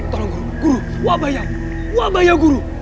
tolong guru guru wabayau wabayau guru